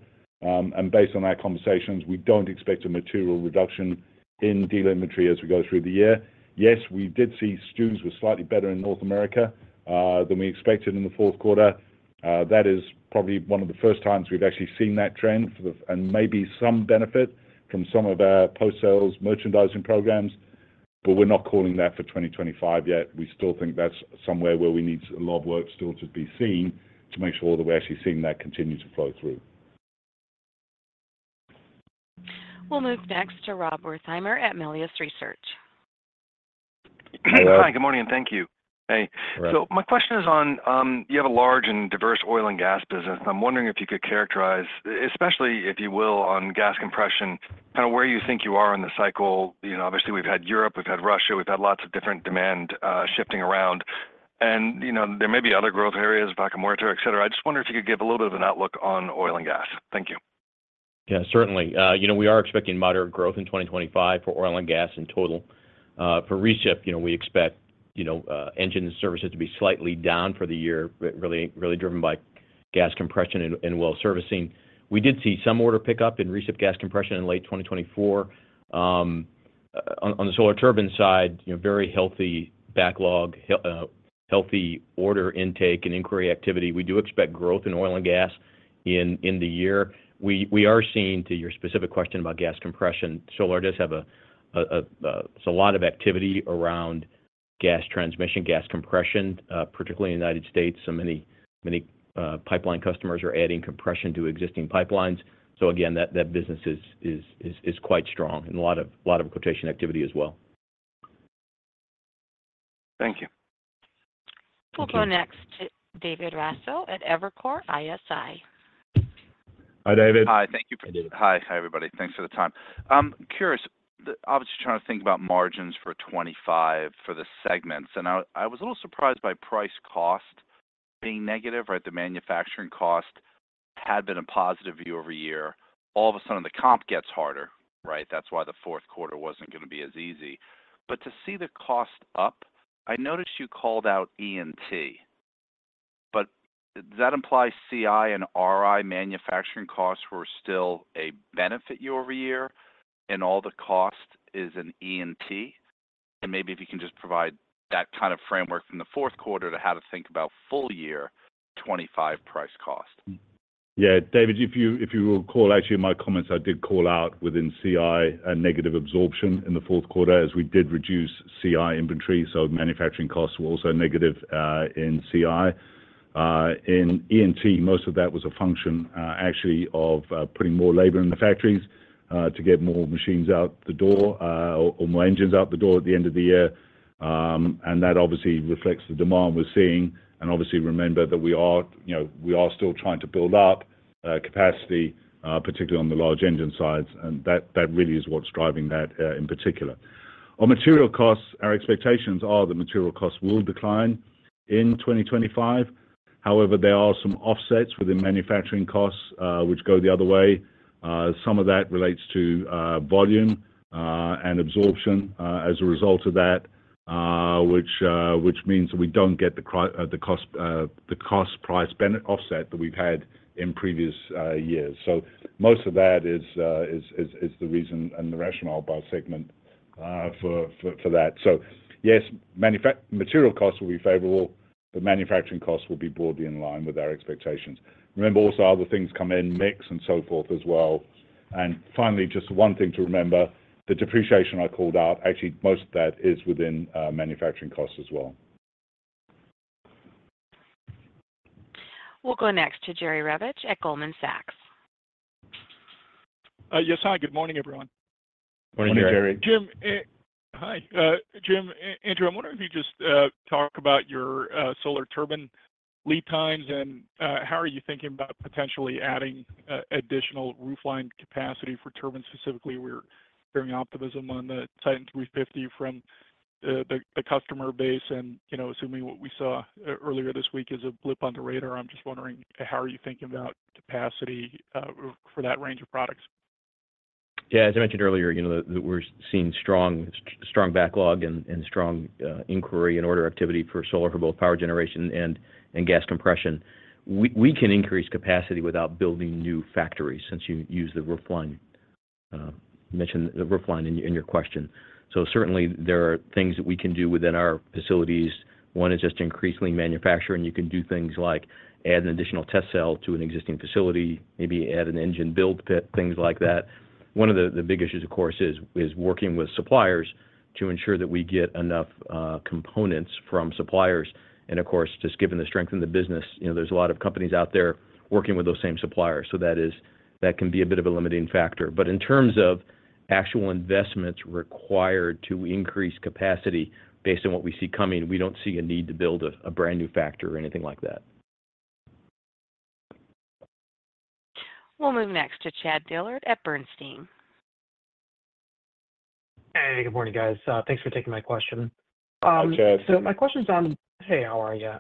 Based on our conversations, we don't expect a material reduction in dealer inventory as we go through the year. Yes, we did see STUs were slightly better in North America than we expected in the fourth quarter. That is probably one of the first times we've actually seen that trend and maybe some benefit from some of our post-sales merchandising programs, but we're not calling that for 2025 yet. We still think that's somewhere where we need a lot of work still to be seen to make sure that we're actually seeing that continue to flow through. We'll move next to Rob Wertheimer at Melius Research. Hi. Good morning. Thank you. Hey. So my question is on you have a large and diverse oil and gas business. I'm wondering if you could characterize, especially if you will, on gas compression, kind of where you think you are in the cycle. Obviously, we've had Europe, we've had Russia, we've had lots of different demand shifting around. And there may be other growth areas, Vaca Muerta, etc. I just wonder if you could give a little bit of an outlook on oil and gas. Thank you. Yeah, certainly. We are expecting moderate growth in 2025 for oil and gas in total. For Recip, we expect engine services to be slightly down for the year, really driven by gas compression and well servicing. We did see some order pickup in Recip gas compression in late 2024. On the Solar Turbines side, very healthy backlog, healthy order intake and inquiry activity. We do expect growth in oil and gas in the year. We are seeing, to your specific question about gas compression, Solar Turbines does have a lot of activity around gas transmission, gas compression, particularly in the United States. So many pipeline customers are adding compression to existing pipelines. So again, that business is quite strong and a lot of quotation activity as well. Thank you. We'll go next to David Raso at Evercore ISI. Hi, David. Hi. Thank you for being here. Hi. Hi, everybody. Thanks for the time. Curious, obviously trying to think about margins for 2025 for the segments. And I was a little surprised by price cost being negative, right? The manufacturing cost had been a positive year-over-year. All of a sudden, the comp gets harder, right? That's why the fourth quarter wasn't going to be as easy. But to see the cost up, I noticed you called out E&T, but does that imply CI and RI manufacturing costs were still a benefit year-over-year and all the cost is in E&T? And maybe if you can just provide that kind of framework from the fourth quarter to how to think about full year 2025 price cost? Yeah. David, if you recall actually my comments, I did call out within CI a negative absorption in the fourth quarter as we did reduce CI inventory. So manufacturing costs were also negative in CI. In E&T, most of that was a function actually of putting more labor in the factories to get more machines out the door or more engines out the door at the end of the year. And that obviously reflects the demand we're seeing. And obviously, remember that we are still trying to build up capacity, particularly on the large engine sides. And that really is what's driving that in particular. On material costs, our expectations are that material costs will decline in 2025. However, there are some offsets within manufacturing costs which go the other way. Some of that relates to volume and absorption as a result of that, which means that we don't get the cost-price benefit offset that we've had in previous years. So most of that is the reason and the rationale by segment for that. So yes, material costs will be favorable, but manufacturing costs will be broadly in line with our expectations. Remember also other things come in mix and so forth as well. And finally, just one thing to remember, the depreciation I called out, actually most of that is within manufacturing costs as well. We'll go next to Jerry Revich at Goldman Sachs. Yes, hi. Good morning, everyone. Morning, Jerry. Hi, Jim. Andrew, I'm wondering if you could just talk about your Solar Turbines lead times and how are you thinking about potentially adding additional roofline capacity for turbines specifically? We're hearing optimism on the Titan 350 from the customer base and assuming what we saw earlier this week is a blip on the radar. I'm just wondering how are you thinking about capacity for that range of products? Yeah. As I mentioned earlier, we're seeing strong backlog and strong inquiry and order activity for Solar for both power generation and gas compression. We can increase capacity without building new factories since you use the roofline. You mentioned the roofline in your question. So certainly, there are things that we can do within our facilities. One is just increasingly manufacturing. You can do things like add an additional test cell to an existing facility, maybe add an engine build pit, things like that. One of the big issues, of course, is working with suppliers to ensure that we get enough components from suppliers. Of course, just given the strength of the business, there's a lot of companies out there working with those same suppliers. So that can be a bit of a limiting factor. But in terms of actual investments required to increase capacity based on what we see coming, we don't see a need to build a brand new factor or anything like that. We'll move next to Chad Dillard at Bernstein. Hey. Good morning, guys. Thanks for taking my question. Hi, Chad. So my question's on, hey, how are you?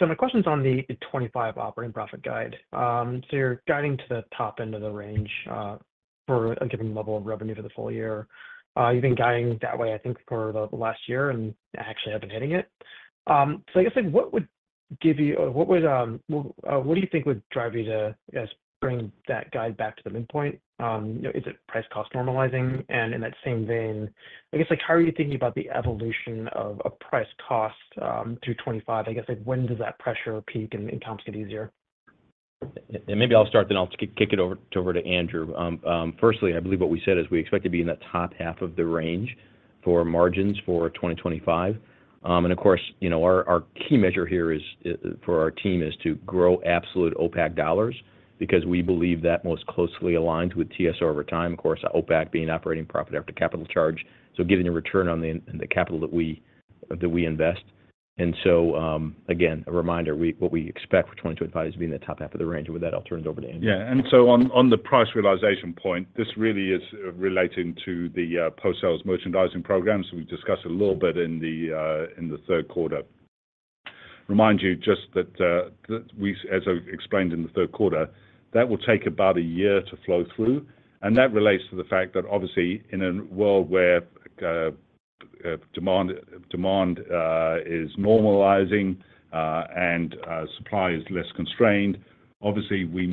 So my question's on the '25 operating profit guide. So you're guiding to the top end of the range for a given level of revenue for the full year. You've been guiding that way, I think, for the last year and actually have been hitting it. So I guess, what do you think would drive you to bring that guide back to the midpoint? Is it price cost normalizing? And in that same vein, I guess how are you thinking about the evolution of price cost through 2025? I guess when does that pressure peak and comps get easier? And maybe I'll start, then I'll kick it over to Andrew. Firstly, I believe what we said is we expect to be in that top half of the range for margins for 2025. Of course, our key measure here for our team is to grow absolute OPACCC dollars because we believe that most closely aligns with TSR over time. Of course, OPACCC being operating profit after capital charge. So giving a return on the capital that we invest. And so again, a reminder, what we expect for 2025 is being in the top half of the range. With that, I'll turn it over to Andrew. Yeah. And so on the price realization point, this really is relating to the post-sales merchandising programs. We discussed a little bit in the third quarter. Remind you just that, as I explained in the third quarter, that will take about a year to flow through. That relates to the fact that obviously in a world where demand is normalizing and supply is less constrained, obviously we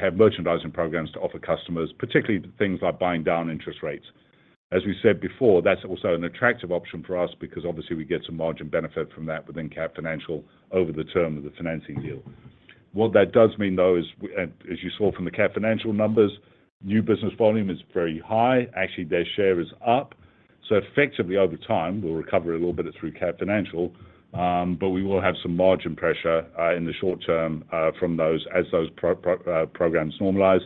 have merchandising programs to offer customers, particularly things like buying down interest rates. As we said before, that's also an attractive option for us because obviously we get some margin benefit from that within Cat Financial over the term of the financing deal. What that does mean though is, as you saw from the Cat Financial numbers, new business volume is very high. Actually, their share is up. So effectively over time, we'll recover a little bit through Cat Financial, but we will have some margin pressure in the short term from those as those programs normalize.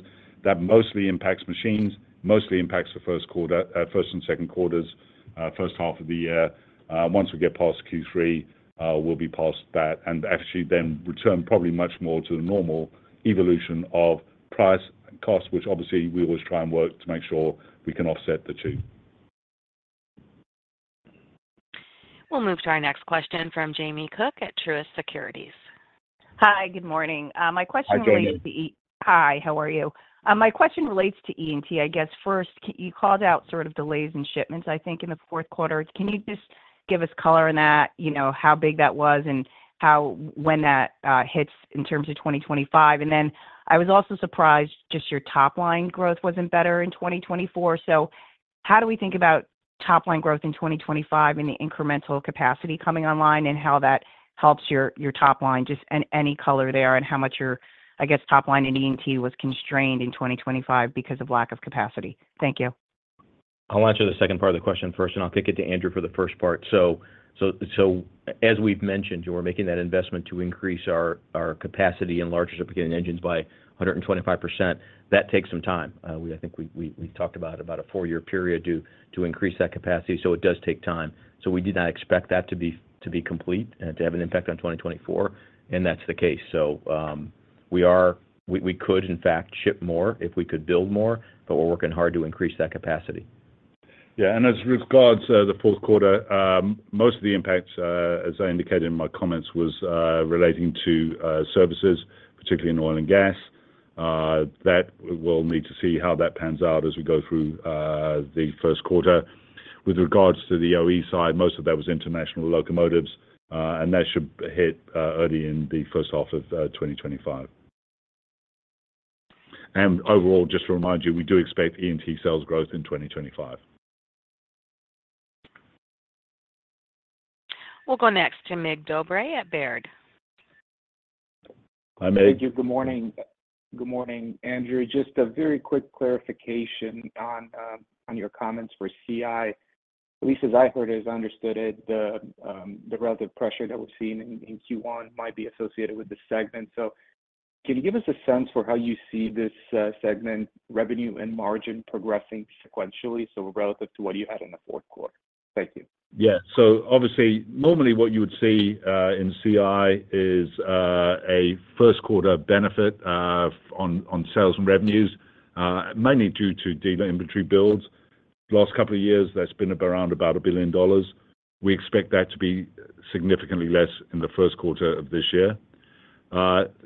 That mostly impacts machines, mostly impacts the first and second quarters, first half of the year. Once we get past Q3, we'll be past that and actually then return probably much more to the normal evolution of price and cost, which obviously we always try and work to make sure we can offset the two. We'll move to our next question from Jamie Cook at Truist Securities. Hi, good morning. My question relates to E&T. Hi, how are you? My question relates to E&T. I guess first, you called out sort of delays in shipments, I think, in the fourth quarter. Can you just give us color on that, how big that was and when that hits in terms of 2025? And then I was also surprised just your top line growth wasn't better in 2024. So how do we think about top line growth in 2025 and the incremental capacity coming online and how that helps your top line? Just any color there and how much your, I guess, top line in E&T was constrained in 2025 because of lack of capacity. Thank you. I'll answer the second part of the question first, and I'll kick it to Andrew for the first part. So as we've mentioned, we're making that investment to increase our capacity and large reciprocating engines by 125%. That takes some time. I think we've talked about a four-year period to increase that capacity. So it does take time. So we did not expect that to be complete and to have an impact on 2024, and that's the case. So we could, in fact, ship more if we could build more, but we're working hard to increase that capacity. Yeah. And as regards the fourth quarter, most of the impacts, as I indicated in my comments, was relating to services, particularly in oil and gas. That we'll need to see how that pans out as we go through the first quarter. With regards to the OE side, most of that was international locomotives, and that should hit early in the first half of 2025. And overall, just to remind you, we do expect E&T sales growth in 2025. We'll go next to Mircea Dobre at Baird. Hi, Mircea. Thank you. Good morning. Good morning, Andrew. Just a very quick clarification on your comments for CI. At least as I heard it, as I understood it, the relative pressure that we're seeing in Q1 might be associated with the segment. So can you give us a sense for how you see this segment revenue and margin progressing sequentially, so relative to what you had in the fourth quarter? Thank you. Yeah. So obviously, normally what you would see in Q1 is a first quarter benefit on sales and revenues, mainly due to dealer inventory builds. Last couple of years, that's been around about $1 billion. We expect that to be significantly less in the first quarter of this year.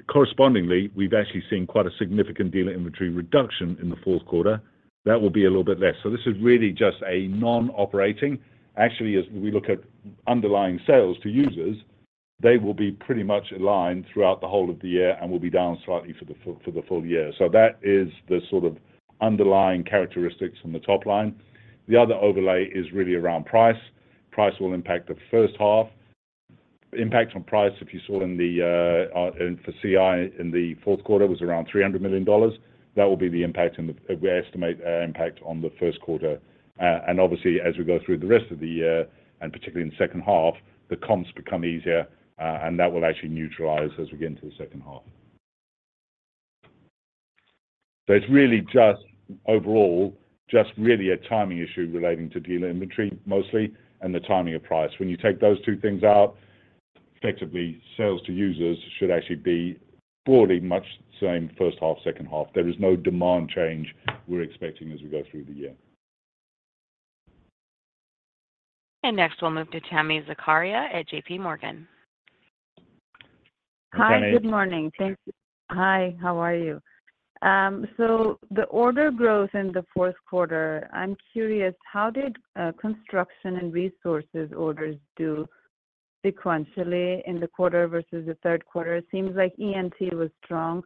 Correspondingly, we've actually seen quite a significant dealer inventory reduction in the fourth quarter. That will be a little bit less. So this is really just a non-operating. Actually, as we look at underlying sales to users, they will be pretty much aligned throughout the whole of the year and will be down slightly for the full year. So that is the sort of underlying characteristics from the top line. The other overlay is really around price. Price will impact the first half. Impact on price, if you saw in the Q4 in the fourth quarter, was around $300 million. That will be the impact we estimate on the first quarter. Obviously, as we go through the rest of the year, and particularly in the second half, the comps become easier, and that will actually neutralize as we get into the second half. It's really just overall a timing issue relating to dealer inventory mostly and the timing of price. When you take those two things out, effectively sales to users should actually be broadly much the same first half, second half. There is no demand change we're expecting as we go through the year. Next, we'll move to Tami Zakaria at JP Morgan. Hi. Hi, good morning. Thank you. Hi, how are you? So the order growth in the fourth quarter, I'm curious, how did construction and resources orders do sequentially in the quarter versus the third quarter? It seems like E&T was strong,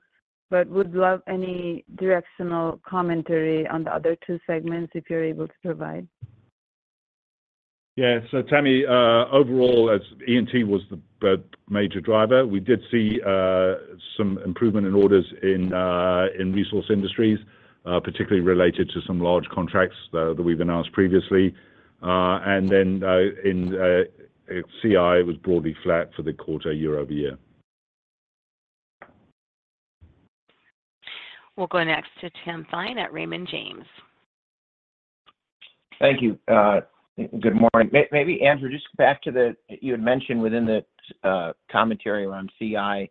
but would love any directional commentary on the other two segments if you're able to provide. Yeah. So Tami, overall, E&T was the major driver. We did see some improvement in orders in Resource Industries, particularly related to some large contracts that we've announced previously, and then in CI, it was broadly flat for the quarter year-over-year. We'll go next to Tim Thein at Raymond James. Thank you. Good morning. Maybe, Andrew, just back to the you had mentioned within the commentary around CI,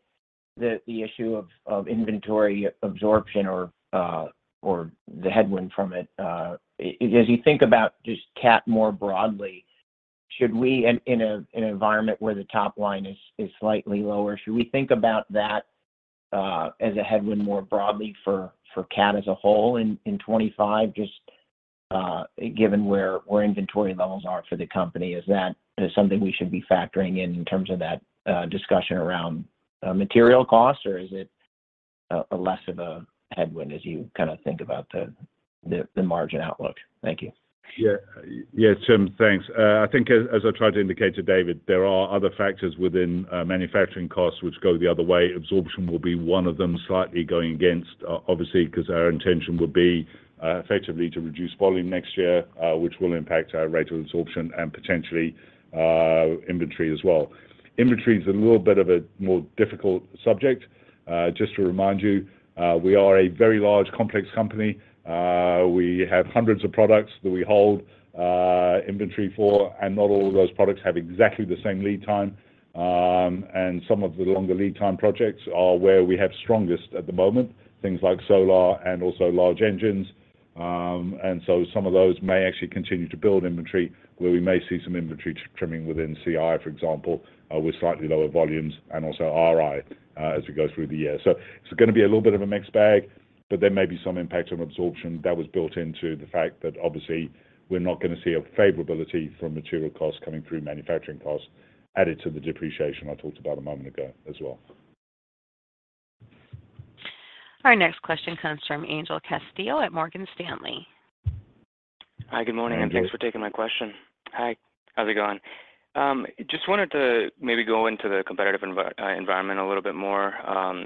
the issue of inventory absorption or the headwind from it. As you think about just CAT more broadly, should we in an environment where the top line is slightly lower, should we think about that as a headwind more broadly for CAT as a whole in '25, just given where inventory levels are for the company? Is that something we should be factoring in terms of that discussion around material costs, or is it less of a headwind as you kind of think about the margin outlook? Thank you. Yeah. Yeah, Tim, thanks. I think as I tried to indicate to David, there are other factors within manufacturing costs which go the other way. Absorption will be one of them slightly going against, obviously, because our intention would be effectively to reduce volume next year, which will impact our rate of absorption and potentially inventory as well. Inventory is a little bit of a more difficult subject. Just to remind you, we are a very large complex company. We have hundreds of products that we hold inventory for, and not all of those products have exactly the same lead time. And some of the longer lead time projects are where we have strongest at the moment, things like solar and also large engines. And so some of those may actually continue to build inventory where we may see some inventory trimming within CI, for example, with slightly lower volumes and also RI as we go through the year. So it's going to be a little bit of a mixed bag, but there may be some impact on absorption that was built into the fact that obviously we're not going to see a favorability from material costs coming through manufacturing costs added to the depreciation I talked about a moment ago as well. Our next question comes from Angel Castillo at Morgan Stanley. Hi, good morning, and thanks for taking my question. Hi, how's it going? Just wanted to maybe go into the competitive environment a little bit more.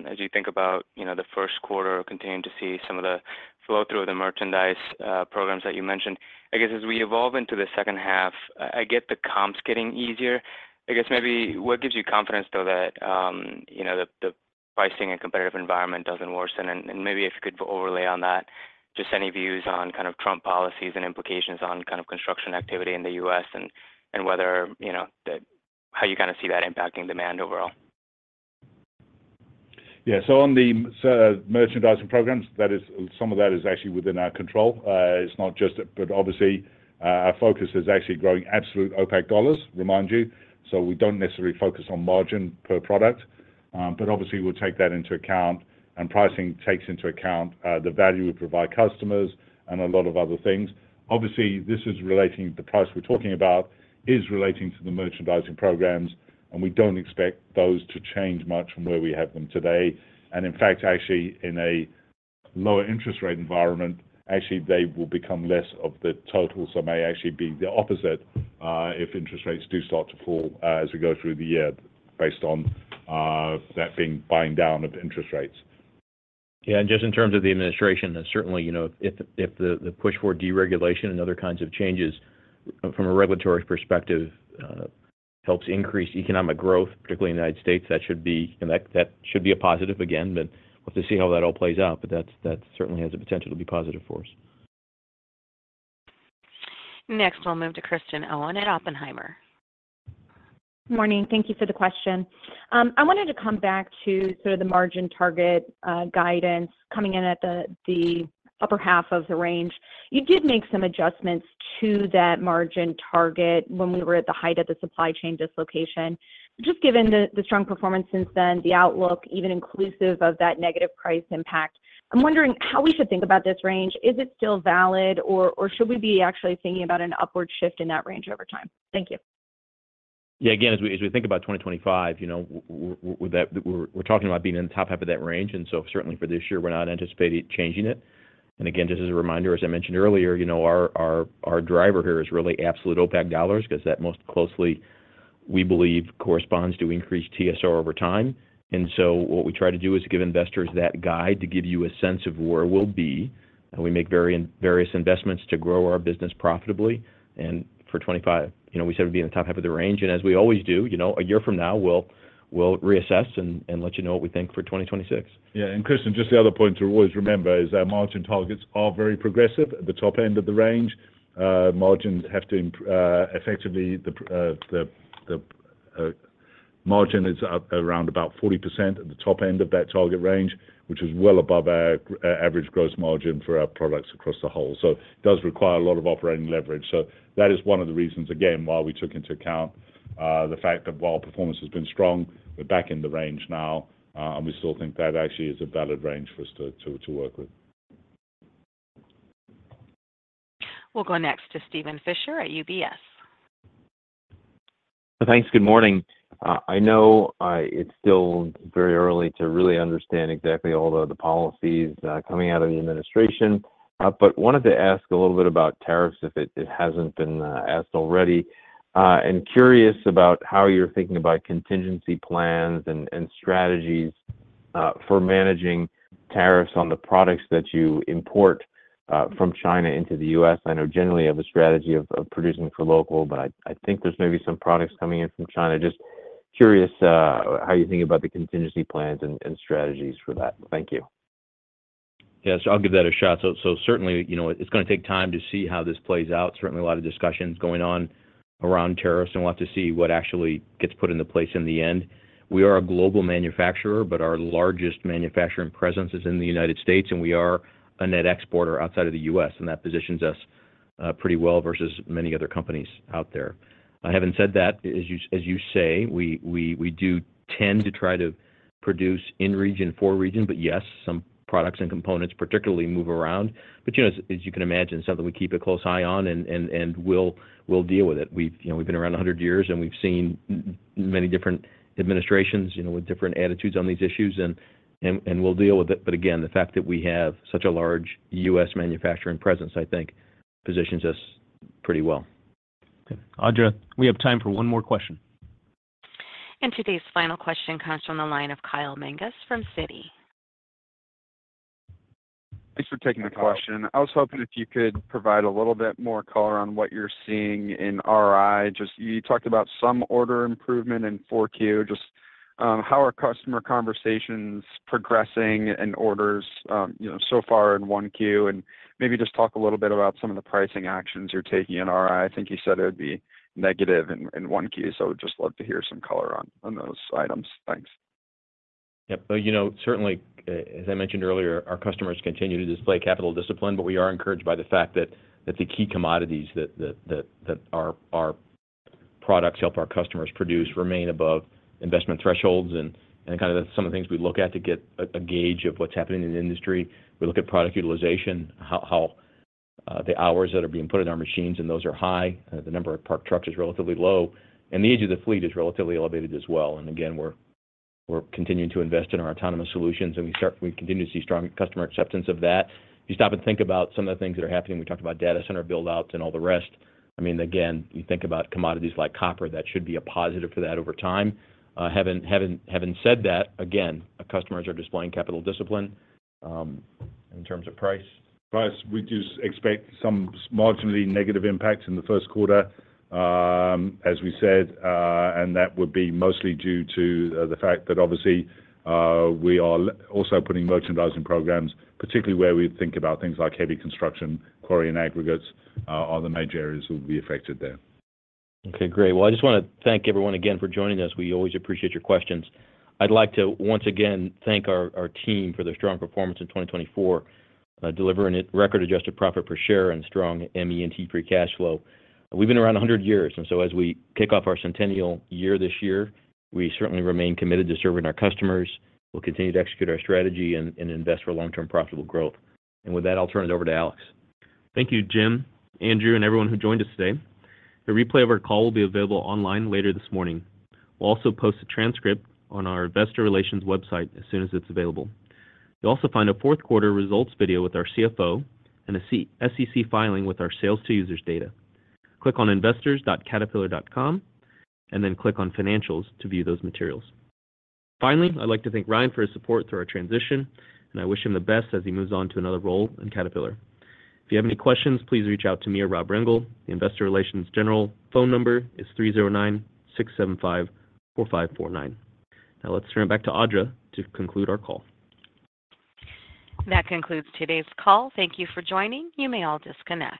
As you think about the first quarter, continuing to see some of the flow through of the merchandising programs that you mentioned. I guess as we evolve into the second half, I get the comps getting easier. I guess maybe what gives you confidence though that the pricing and competitive environment doesn't worsen? And maybe if you could overlay on that, just any views on kind of Trump policies and implications on kind of construction activity in the U.S. and how you kind of see that impacting demand overall. Yeah. So on the merchandising programs, some of that is actually within our control. It's not just, but obviously our focus is actually growing absolute OPACCC dollars, reminding you. So we don't necessarily focus on margin per product, but obviously we'll take that into account, and pricing takes into account the value we provide customers and a lot of other things. Obviously, this is relating to the price we're talking about is relating to the merchandising programs, and we don't expect those to change much from where we have them today, and in fact, actually in a lower interest rate environment, actually they will become less of the total, so may actually be the opposite if interest rates do start to fall as we go through the year based on that being buying down of interest rates. Yeah, and just in terms of the administration, certainly if the push for deregulation and other kinds of changes from a regulatory perspective helps increase economic growth, particularly in the United States, that should be a positive again, but we'll have to see how that all plays out, but that certainly has the potential to be positive for us. Next, we'll move to Kristen Owen at Oppenheimer. Good morning. Thank you for the question. I wanted to come back to sort of the margin target guidance coming in at the upper half of the range. You did make some adjustments to that margin target when we were at the height of the supply chain dislocation. Just given the strong performance since then, the outlook, even inclusive of that negative price impact, I'm wondering how we should think about this range. Is it still valid, or should we be actually thinking about an upward shift in that range over time? Thank you. Yeah. Again, as we think about 2025, we're talking about being in the top half of that range. And so certainly for this year, we're not anticipating changing it. And again, just as a reminder, as I mentioned earlier, our driver here is really absolute OPACCC dollars because that most closely we believe corresponds to increased TSR over time. And so what we try to do is give investors that guide to give you a sense of where we'll be. We make various investments to grow our business profitably. For 2025, we said we'd be in the top half of the range. As we always do, a year from now, we'll reassess and let you know what we think for 2026. Yeah. Kristen, just the other point to always remember is our margin targets are very progressive at the top end of the range. Margins have to effectively the margin is around about 40% at the top end of that target range, which is well above our average gross margin for our products across the whole. So it does require a lot of operating leverage. So that is one of the reasons, again, why we took into account the fact that while performance has been strong, we're back in the range now, and we still think that actually is a valid range for us to work with. We'll go next to Steven Fisher at UBS. Thanks. Good morning. I know it's still very early to really understand exactly all the policies coming out of the administration, but wanted to ask a little bit about tariffs if it hasn't been asked already. And curious about how you're thinking about contingency plans and strategies for managing tariffs on the products that you import from China into the U.S. I know generally have a strategy of producing for local, but I think there's maybe some products coming in from China. Just curious how you think about the contingency plans and strategies for that. Thank you. Yeah. So I'll give that a shot. So certainly it's going to take time to see how this plays out. Certainly a lot of discussions going on around tariffs, and we'll have to see what actually gets put into place in the end. We are a global manufacturer, but our largest manufacturing presence is in the United States, and we are a net exporter outside of the U.S., and that positions us pretty well versus many other companies out there. Having said that, as you say, we do tend to try to produce in region for region, but yes, some products and components particularly move around. But as you can imagine, something we keep a close eye on and we'll deal with it. We've been around 100 years, and we've seen many different administrations with different attitudes on these issues, and we'll deal with it. But again, the fact that we have such a large U.S. manufacturing presence, I think, positions us pretty well. Okay. Audra, we have time for one more question. And today's final question comes from the line of Kyle Menges from Citi. Thanks for taking the question. I was hoping if you could provide a little bit more color on what you're seeing in RI. You talked about some order improvement in 4Q. Just how are customer conversations progressing in orders so far in 1Q? And maybe just talk a little bit about some of the pricing actions you're taking in RI. I think you said it would be negative in 1Q, so I would just love to hear some color on those items. Thanks. Yep. Certainly, as I mentioned earlier, our customers continue to display capital discipline, but we are encouraged by the fact that the key commodities that our products help our customers produce remain above investment thresholds, and kind of some of the things we look at to get a gauge of what's happening in the industry. We look at product utilization, how the hours that are being put in our machines, and those are high. The number of parked trucks is relatively low, and the age of the fleet is relatively elevated as well, and again, we're continuing to invest in our autonomous solutions, and we continue to see strong customer acceptance of that. If you stop and think about some of the things that are happening, we talked about data center buildouts and all the rest. I mean, again, you think about commodities like copper, that should be a positive for that over time. Having said that, again, customers are displaying capital discipline in terms of price. Price. We do expect some marginally negative impact in the first quarter, as we said, and that would be mostly due to the fact that obviously we are also putting merchandising programs, particularly where we think about things like heavy construction, quarry, and aggregates are the major areas that will be affected there. Okay. Great. Well, I just want to thank everyone again for joining us. We always appreciate your questions. I'd like to once again thank our team for their strong performance in 2024, delivering record-adjusted profit per share and strong ME&T free cash flow. We've been around 100 years, and so as we kick off our centennial year this year, we certainly remain committed to serving our customers. We'll continue to execute our strategy and invest for long-term profitable growth. And with that, I'll turn it over to Alex. Thank you, Jim, Andrew, and everyone who joined us today. The replay of our call will be available online later this morning. We'll also post a transcript on our investor relations website as soon as it's available. You'll also find a fourth quarter results video with our CFO and an SEC filing with our sales to users data. Click on investors.caterpillar.com and then click on financials to view those materials. Finally, I'd like to thank Ryan for his support through our transition, and I wish him the best as he moves on to another role in Caterpillar. If you have any questions, please reach out to me or Rob Rengel. The investor relations general phone number is 309-675-4549. Now let's turn it back to Audra to conclude our call. That concludes today's call. Thank you for joining. You may all disconnect.